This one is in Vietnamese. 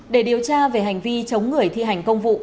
để điều tra về hành vi chống người thi hành công vụ